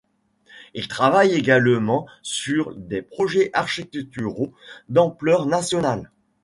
Il travaille également sur des projets architecturaux d'ampleur nationale.